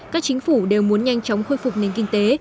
các chính phủ đều muốn nhanh chóng khôi phục nền kinh tế